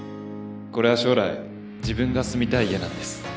これは将来自分が住みたい家なんです。